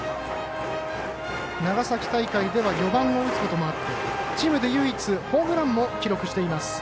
長崎大会では４番を打つこともあってチームで唯一ホームランも記録しています。